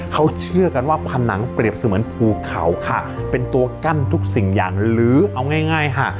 เขาเชื่อกันว่าผนังเปรียบเสมือนภูเขาค่ะเป็นตัวกั้นทุกสิ่งอย่างหรือเอาง่ายง่ายค่ะ